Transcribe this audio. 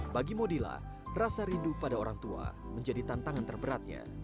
bagi modila rasa rindu pada orang tua menjadi tantangan terberatnya